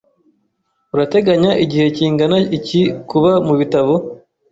Urateganya igihe kingana iki kuba mubitabo?